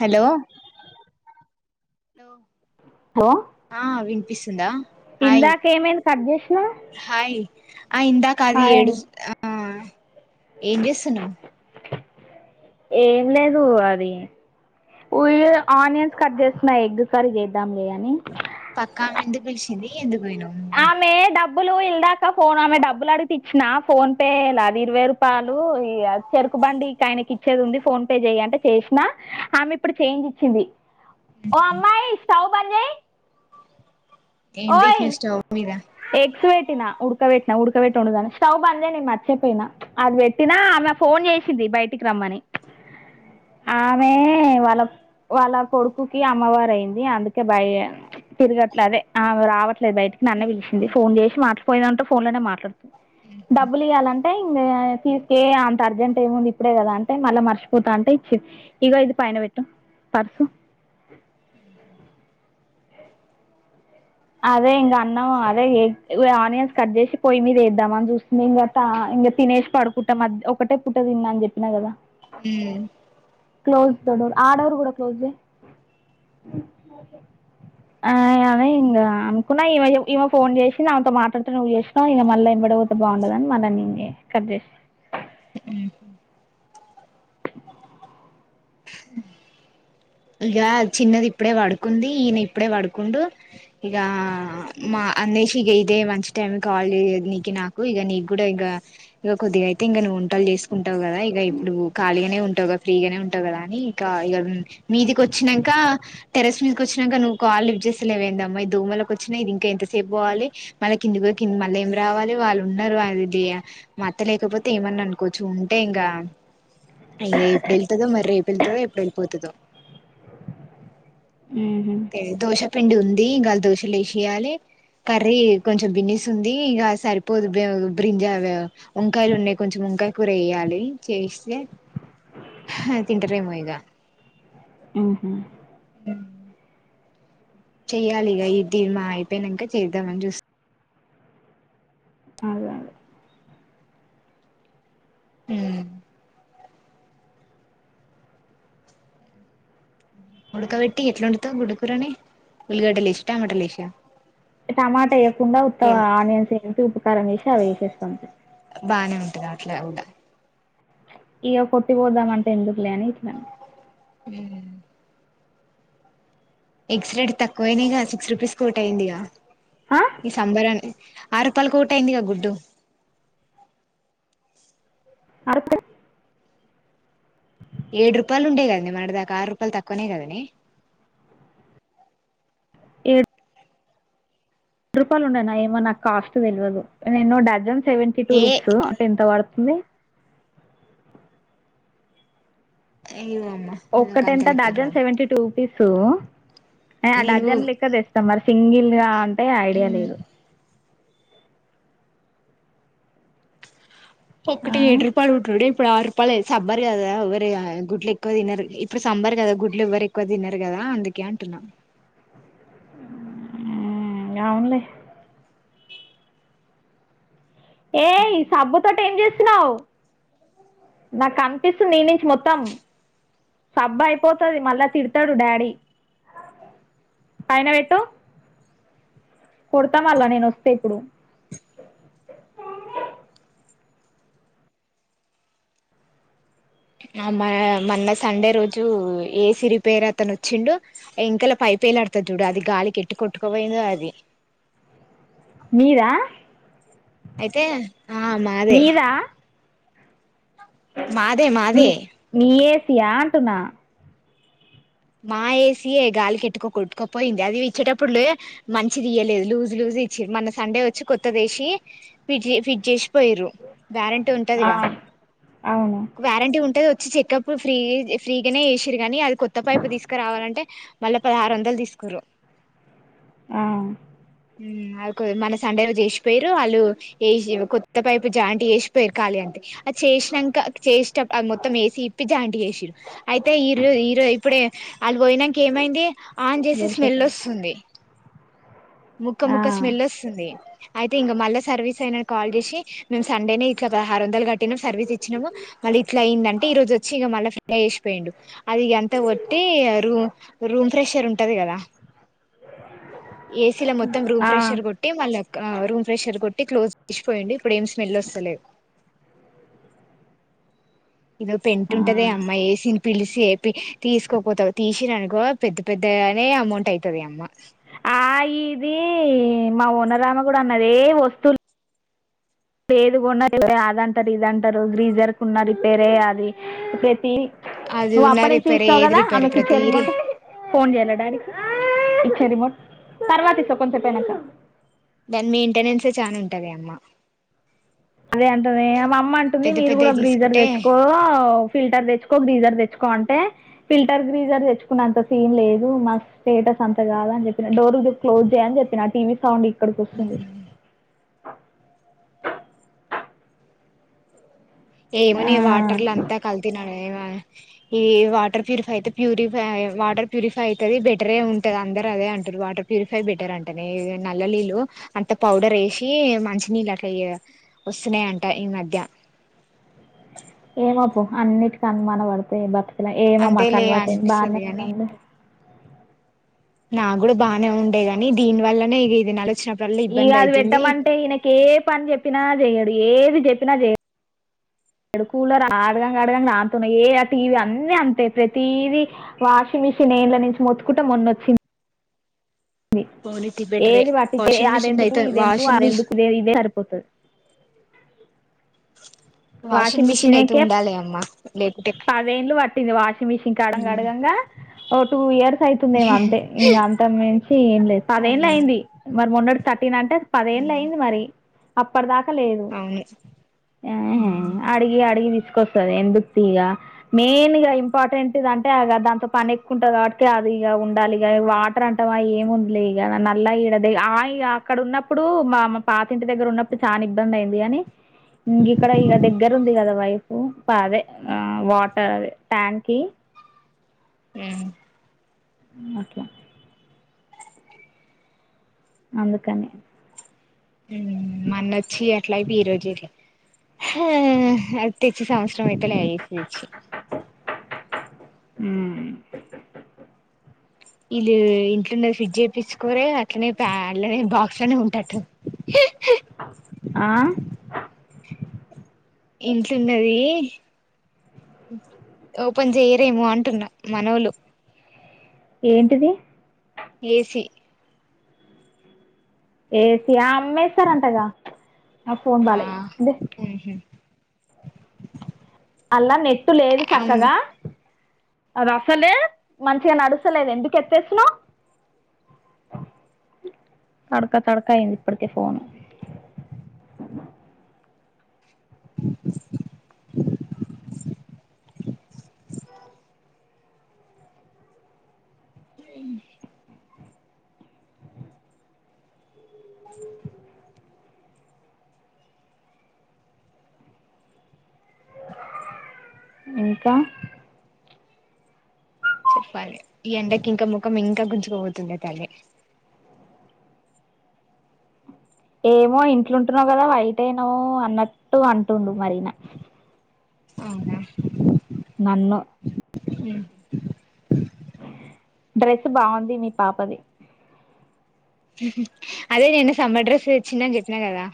Hello hello hello ఆ వినిపిస్తుందా hi ఇందాక ఏమైంది కట్ చేసినవ్ హాయ్ ఆ ఇందాకది హాయ్ అండి ఏడుస్ ఆ ఏం చేస్తున్నావ్ ఏం లేదు అది ఊ ఆనియన్స్ కట్ చేస్తూన ఎగ్ కర్రి చేద్దాంలే అని పక్కామెందుకు పిలిచింది ఎందుకు పోఇనవ్ ఆమె డబ్బులు ఇల్దాకా ఫోన్ ఆమె డబ్బులు అడితే ఇచ్చిన ఫోన్పే లాది ఇరవై రూపాలు ఇగ చెరుకు బండికాయనకి ఇచ్చేదుమ్ ది ఫోన్ పే చెయంటే చేసిన ఆమె ఇప్పుడు చేంజ్ ఇచ్చింది ఓ అమ్మాయి స్టవ్ బంద్ చెయ్ ఏం పెట్టినవ్ స్టవ్ మీద ఎగ్స్ పెట్టినా ఉడకబేట్టినా ఉడకబెట్టి వండుదామని స్టవ్ బంద్ చేయాలే నేను మార్చేపోయినా అది పెట్టినా ఆమె ఫోన్ చేసింది బయటికి రమ్మని ఆమె వాళ్ళ వాళ్ళ కొడుకుకి అమ్మవారు అయింది అందుకే బయ తిరగట్లేదే ఆమె రావట్లేదు బయటికి నన్నే పిలిచి చింది ఫోన్ చేసి మాట్లాపోయిదంటే ఫోన్ లోనే మాట్లాడుతుంది డబ్బులు ఇయ్యాలంటే ఇం తీసుకే అంత అర్జెంట్ ఏముంది ఇప్పుడే కదా అంటే మళ్లా మర్చిపోతా అంటే ఇచ్చి అదే ఇంకా అన్నం అదే ఆనియన్స్ కట్ చేసి పోయి మీదేద్దామని చూస్తునా ఇంగ ఇంకా తినేసి పడుకుంటా మద్ ఒకటే పుట్ట తిన్నా అని చెప్పిన కదా హ్మ్ అ అని ఇంక అనుకున్నా ఈమె ఈమ ఫోన్ చేసి నాతో మాట్లాడుతు నువ్ చేసినావు ఇంగ మళ్లా ఎంబడ బడితే బాండదని మళ్ళ నేనే కట్ చేసి ఇక చిన్నది ఇప్పుడే పడుకుంది ఈయన ఇప్పుడే పడుకుండు ఇక మా అన్వేషికయి ఇదే మంచి టైం కాల్ చేయదు నీకి నాకు ఇక నిగూడ ఇగ ఇక కొద్దిగా అయితే ఇంకా నువ్వు వంటలు చేసుకుంటావు కదా ఇక ఇప్పుడు ఖాళీగానే ఉంటావు క ఫ్రీగానే ఉంటావు కదా అని ఇంక ఇ మీదికి వచ్చినాక టెరెస్ మీదకి వచ్చినాక నువ్వు కాల్ లిఫ్ట్ చేస్తలేవేన్దమ్మా ఈ దోమలో కోచిన వచ్చినా ఇది ఇంకా ఎంతసేపు పోవాలి మళ్ళా కిందికి పోతే కింద మళ్ళీ ఏం రావాలి వాళ్ళు ఉన్నారు అది ఇది మా అత్త లేకపోతే ఏమన్నా అనుకోచ్చు ఉంటే ఇంకా అయ్యో ఎప్పుడు ఎల్తదో మరి పిల్తుదో ఎప్పుడు ఎళ్ళిపోతదో తెలీ దోశపిండి ఉంది గాల్ దోశలేసియాలే కర్రీ కొంచెం బిన్నిస్ ఉంది ఇంక సరిపోదు బ్రింగ్జా వంకాయలు ఉన్నాయి కొంచెం వంకాయ కూర వేయాలి చేస్తే తింటారేమో ఇక ఆహ చెయ్యాలిగా ఇది మా అయిపోయినంక చేద్దామని జూస్ అదే అదే ఊ ఉడకబెట్టి ఎట్లా ఒండుతవ్ గుడ్డుకూరని ఉల్లిగడ్డలేశా టమటలేశా టమాటా వేయకుండా ఉత్త ఆనియన్స్ ఏసి ఉపకారం వేసి అవి వేసేస్తం అంతే రాట్ల గూడ ఇగ కొట్టిపోదాం అంటే ఎందుకు లే అని ఇట్నా ఎగ్స్ రేడ్ తక్కువనాయి సిక్స్ రూపీస్ కోటయింది ఇగ ఆ ఈ సంబరాని ఆరు రూపాలకోటాయిందిగా గుడ్డు అరుపాల్ ఏడు రూపాయలు ఉండే కదనె మొన్నటి దాకా ఆరు రూపాయలు తక్కువనే కదనె ఏడు ఏమో కాస్ట్ తెల్వదు ఎన్నో డజన్ సెవెంటీ టూ ఏ రూపీస్ అ ఎంత వడ్ ని అయ్యోమ్మ నాకు ఒక్కట అంత ఎంత లెక్కలు డజన్ రావు సెవెంటీ టూ రుపీస్ సో అ నేను డజన్ లెక్క దెస్తం మరి సింగిల్ గా అ ఏ ఐడియా లేదు ఒక్కటి ఆ ఏడు రూపాలు ఉటుడే ఇప్పుడు ఆరు రూపాయలు సబ్బర్ కదా ఎవ్వరి గుడ్లు ఎక్కువ తినరు ఇప్పుడు సంబర్ కదా గుడ్లు ఎవ్వరు ఎక్కువ తినరు కదా అందుకే అంటున్నా ఊ అవునలే ఏయ్ సబ్బుతోటి ఏం చేస్తున్నావ్ నాకు కనిపిస్తుంది నీనుంచి మొత్తం సబ్బు అయిపోతది మళ్ళా తిడతడు డాడీ పైన పెట్టు కొడతామలా నేను ఒస్తే ఇప్పుడు ఆ మ మన్న సండే రోజు ఏసీ రిపేర్ అతను ఒచ్చిండు ఇంకాలా పైప్ ఏలాడ్తది చూడు అది గాలి కెటు కొట్టుకోపోయిందో అది మీరా అయితే ఆ మాదే మీదా మాదే మాదె యాంటున మా ఏసి యె గాలి కెట్టుకో కొట్టుకోపోయింది అది ఇచ్చేటప్పుడు లే మంచిది ఇయలేదు లూజ్ లూజ్ ఇచ్చిది మన సండే వచ్చి కొత్తదేసి ఫిట్ ఫిట్ చేసి పోయ్రు గ్యారంటీ ఆ ఉంటదిగా అవును వ్యారంటీ ఉంటది వొ వచ్చి చెకప్ ఫ్రీ ఫ్రీగానే ఏసిరు గనీ అది కొత్త పైపు తీసుకురావాలంటే మళ్ళ పదహారు వందలు తీసుకురు ఆ అది మీన సండే లో చేసిపోయారు వాళ్ళు వసి కొత్త పైపు జాయింటట్ చేసిపోయారు ఖాళీ అంటే అది చేసినాక చేసేటప్పుడు మొత్తం వేసి ఇప్పి జాయింటట్ చేసిారు అయితే ఈరోజ ఈరో ఇప్పుడే వాళ్ళు పోయినాక ఏమైంది ఆన్ చేసి గెలిసేత స్మెల్ వస్సుంది ముక్క ఆ ముక్క స్మెల్ వస్సుది అయితే ఇంక మళ్ళా సర్వీస్ అయినకి కాల్ చేసి మేము సండేనే ఇట్లా పదహరు వందలు కట్టినాము సర్వీస్ ఇచ్చినాము మళ్ళీ ఇట్లా అయిందంటే ఈరోజు వచ్చి ఇంక మళ్ళీ ఫ్ర వసిపోయిడు అది ఇ అంత ఒట్టి రూమ్ రూమ్ ఫ్రెషర్ ఉంటది కదా ఏసీలో మొత్తం రూమ్ ఆ ఫ్రెషర్ కొట్టి మళ్ళ ఆ రూమ్ ప్రెషర్ కొట్టి క్లోజ్ చేసిపోయిడు ఇప్పుడు ఏం స్మెల్ వస్తలే ఇదిో పెంటు ఆ ఉంటద అమ్మాయి ఏసిన్ పిలిసే ఏపి తీసుకోపోతా తీసిననుకో పెద్ద పెద్దగానే అమౌంట్ అవుతది అమ్మ ఆ ఇది మా ఓన్రామ కూడా అన్నది ఏ వస్తువులు లేదుకొన్న అదంటారు ఇదంటారు గ్రీజర్ కు ఉన్న రిపేర్ అయ్య అది ప్రతి అది నువ్వు ఉన్న అప్ప నుంచి రిపేర్ చూసినావ్ ఏది కదా రిపేర్ ఆమెకిి ప్రతి [inaudible] మటుకు ఫోన్ చేయడానికి ఇచ్చేయ్ రిమోట్ తర్వాత ఈసా కొంచెం పైనక దాని మెయింటెనెన్సే చానా ఉంటది అమ్మ అదే అంటనే మా మా అమ్మ అంటుంది పెద్ద మీరు పెద్దవి కూడా గ్రీజర్ తీసుకుంటే తెచ్చుకో ఫిల్టర్ తెచ్చుకో గ్రీజర్ తెచ్చు తెచ్చుకోంటే ఫిల్టర్ గ్రీజర్ తెచ్చుకున్నంత సీన్ లేదు మా స్టేటస్ అంత కాదని చెప్పిన డోర్ క్లోజ్ చేయ అని చెప్పిన టీవీ సౌండ్ అక్కడికి వస్తుంది ఏమోని వాటర్లు అంతా కల్తినడు ఈ వాటర్ ప్యూరిఫై అయితే ప్యూరిఫై వాటర్ ప్యూరిఫై అయితేది బెటరే ఉంటది అందరు అదే అంటారు వాటర్ ప్యూరిఫై బెటర్ అంట న నల్ల నీళ్ళు అంత పౌడర్ వేసి మంచినీళ్ళు అ వస్తున్నాయి అంట ఈ మధ్య ఏమప్పు అన్నింటికి అనుమాన పడతాయి బర్ ఇలా ఏమమ్ మాకు అంతేలే అలవాటె అనిపిస్తుంది బాగానే ఉన్నాంది నా కూడా బాగానే ఉండే గాని దీని వల్లనే ఇ ఇది న ఆలోచిన ఇగ అది పెట్టమంటే ఈయనకే ఏ పని చెప్పినా చెయ్యడు ఏది చెప్పినా చేయడు కూలర్ అడగంగాడగంగ అతన్ ఏ ఆ టీవీ అన్నీ అంతే ప్రతిీదీ వాషింగ్ మిషిన్ ఏండ్ళ నుంచి మొత్తుకుంటే మొన్నొచ్చింది పోనీతి బెటరే ఏది బట్టి వాషింగ్ మిషిన్ అదెందుకు అయితే ఇదెందుకు వాషింగ్ అరెందుకు మిషిన్ ఇదే సరిపోతుంది అే వాషింగ్ మిషిన్ అయితే ఉండాలి అమ్మా లేకుంటే పదేంళు పట్టింది వాషింగ్ మిషన్ కడగంగడగంగా ఓ టూ ఇయర్స్ అవుతుందేమో అంతే ఇంకా అంత మించి ఏం లేదు పదేలయింది మరి మొన్నటి ఇదంతా పదహేళ్ళ అయింది మరి అప్పడుదాక కలేదు అవును ఆ అడిగి అడిగి దిస్ స్తంది ఎందుకు ఇగ మెయిన్గా ఇంపార్టెంట్ అంటే దాంతో పని ఎక్కువుటాది కాబట్టి అది ఇ ఉండాలి వాటర్ అంటవ ఏముందిలే ఇ నల్ల ఈడది ఇ అక్కడ ఉన్నప్పుడు మా మా పాతింటి దగ్గర ఉన్నప్పుడు చాలా ఇబ్బంది అయింది గాని ఇంగ్ ఇక్కడ ఈక దగ్గర ఉంది కదా వైఫ ఉమ్ పాదే ఆ వాటర్ ట్యాంక్ ఉమ్ ఓకే అందుకని ఉమ్ మన్నొచ్చి అట్లాయి ప ఈ రోజులే హా అ తెచ్చి సమాచారం అతేలే తెచ్చి ఉమ్ వీళ్ళ ఇంట్లున్న ఫ్రిడ్జ్ చేయించుకోరే అట్లానే పన్లనే బాక్స్ లోనే ఉంటట్ ఆ [inaudible] ఇంట్లున్నది ఓపెన్ చేయరేమో అంటున్నా మనవులు ఏంటిది ఏసి ఏ సియా అమ్మేస్తారంటగా నాకు ఫోన్ ఆ బాల అదే అలా నెట్ టు లేదు అవును చక్కగా అది అసలే మంచిగా నడుసలేదు ఎందుకు ఎతేస ను్ తడకా తడక అయింది ఇప్పటికే ఫోను ఉమ్ [inaudible] ఇంకా చెప్పాలి ఈ ఎండకి ఇంకా ముఖం ఇంకా గుంజుకోపోతుండే తల్ ఏమో ఇంట్లుంటున్నావు కదా వైట్ అట్టేనో అన్నట్టు అంటుండు మరనా అవునా నన్ను ఉమ్ డ్రెస్ బాగుంది మీ పాపది హు హు అదే నేను సమ్బర్ డ్రెస్ వచ్చిని చెప్పినా కదా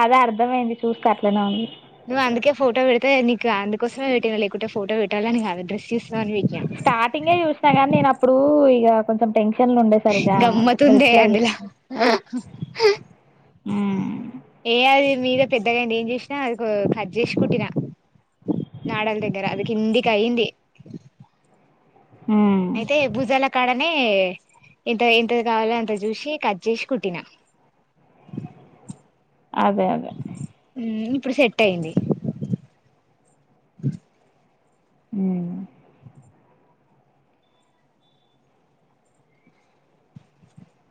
అద అర్థంమైంది చూసుకు అట్లేనే ఉంది నువ్ అందుకే ఫోటో పెడితే నీ అందుకోసమే పెట్టినా లేకుంటే ఫోటో పెట్టాలి నీ అద డ్రెస్ చేస్తావు అని స్టార్టింగే చూసినా కాగానీ నేను అప్పుడు ఇక కొంచెం టెన్షన్ గమ్మత్ ఉండ అందులా ఆ హా ఆ హా మ్మ్. ఏ ఆది మీద పెద్దగా ఏం చేసినా అది కట్ చేసు కుట్టినా నాడల దగ్గర అది కిందికి అయి్యంది మ్మ్. అయితే భూజాల కాడనే ఎంత ఎంత కావాలో అంత చూసి కట్ చేసి కుట్టినా అదే అదే ఉమ్ ఇప్పుడు సెట్ అయింది ఉమ్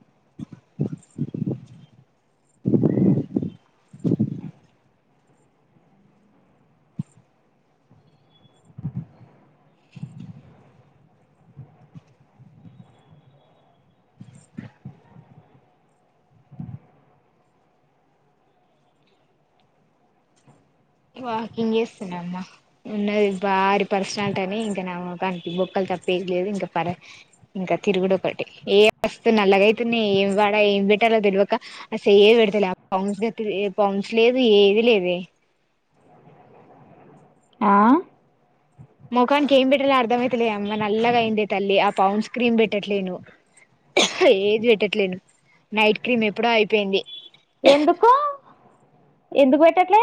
అ వాకింగ్ చేస్తున్నామ్మా ఉన్నది భారీ పర్సనాలిటీ అని ఇంకా నా కానికి బొక్కలు తప్పేయ లేదు ఇంకా పర ఇంకా తిరుగుడు ఒకటి ఏ వస్తు నల్గైతున్నాయి ఏం వాడా ఏం పెట్టాలో తెలివక అస ఏ పెడతలేస్ పాన్స్ లేదు ఏది లేదు ఆ ముఖానికి ఏం పెట్టలో అర్థ అయితలే అమ్మ నల్లగా అయింది తల్లి ఆ పౌండ్స్ క్రీమ్ పెట్టట్లేను ఏది పెట్టట్లేను నైట్ క్రీమ్ ఎప్పుడో అయిపోయింది ఎందుకు ఎందుకు పెట్టట్లే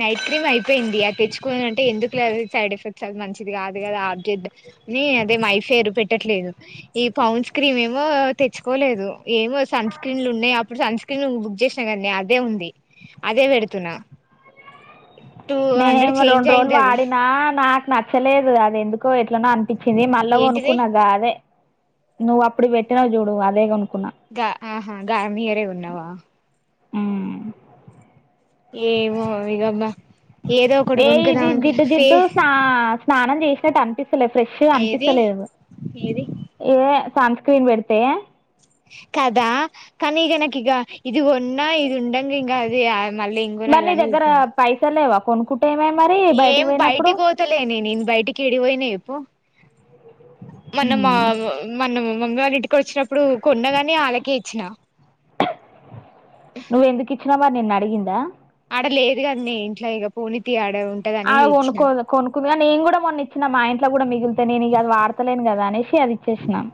నైట్ క్రీమ్ అయిపోయింది అది తెచ్చుకోని అంటే ఎందుకు లే సైడ్ ఎఫెక్ట్స్ అది మంచిది కాదు కదా ఆబ్జెక్ట్ అని అదేమ అయిపోయారు పెట్టట్లేదు ఈ పౌండ్స్ క్రీమ్ ఏమో తెచ్చుకోలేదు ఏమో సన్ స్క్రీన్లు ఉన్నాయి అప్పుడు సన్ స్క్రీన్ బుక్ చేసిన కానీ అదే ఉంది అదే పెడుతున్నా టూ హండ్రెడ్ నేనేమ చేంజ్ రెండు రోజులు అయింది అది వాడిన నాకు నచ్చలేదు అదే ఎందు కో ఎట్లనో అనిపించింది మళ్ళ ఏంటిది కొనుకున్నా అదే ను అప్పుడు బెటనా జోడు అదే కొ గా ఆహా గగా నయరే ఉన్నావా ఆ ఏవో ఇగమ్బ ఏ ఇది జిడ్ జిడ్డు స్నా స్నాన చేసిన అంతపి లే ఫ్రెష్గా ఏది అనిపించలేదా ఏది ఏ సన్ స్క్రీన్ పెడితే కదా కానీగ నాకి ఇగ ఇదిగ ఉన్నా ఇది ఉండంగా ఇంగా అది మళ్ళీ మరి నీ ఇంకొనాలని దగ్గర ఊరుకున్నా పైస లేవ కొ ఏం బయటికి ఓతలే న నన్ బయటికి ఇడివోయినే పో మనం ఉమ్. మనం మంగవారి ఇంటికి వచ్చినప్పుడు కొన్నగానే ఆళ్లకే ఇచ్చినా చిన్నమ్మ నిన్ను అడిగిందా లేదు గాని నే ఇంట్లో ఇక పూని తి అవ్ కొనుకోదు కొన్ కుదిగా నేను కూడా మొన్ని ఇచ్చిన మా ఇంట్లో కూడా మిగి నేను ఇగ అది వడతలేను కదా అనేసి అది ఇచ్చేసినాను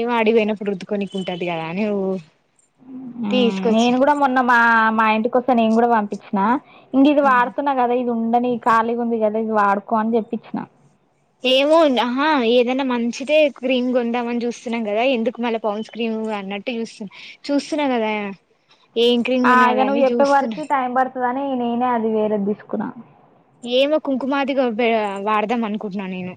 ఎం ఆడిపోయినప్పుడు ఉద్దుకునికు ఉంటాది కదా నువ్వు ఉమ్ నేను కూడా మొన్న మా మా ఇంటికి నేను కూడా పంపించిన ఇగ్ ఇది వాడుతున్నా కదా ఇది ఉండని ఖాళీ ఉంది కదా ఇది వాడుకో అని దెప్చ్చిన ఏమో ఇగ్ ఆహా ఏదైనా మంచిదే క్రీమ్ కొందామని చూస్తున్నాం కదా ఎందుకు మళ్ళా పౌన్స్ క్రీమ్ అన్నట్టు చూస్తున్ చూస్తున్నా కదా ఏం క్రీమ్ ఆ ఇగ కొనాలని జెప్పె చూస్తున్నా వరకు టైం పర్ కానీ నేనే అది వేరేది తీసుకున్నా ఏమో కుంకుమదిగా బా వాడదాం అనుకుంటున్నా నేను